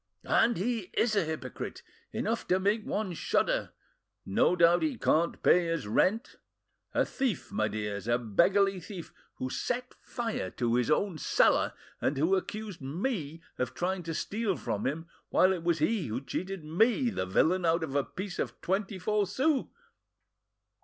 "And he is a hypocrite! enough to make one shudder! No doubt he can't pay his rent! A thief, my dears, a beggarly thief, who set fire to his own cellar, and who accused me of trying to steal from him, while it was he who cheated me, the villain, out of a piece of twenty four sous.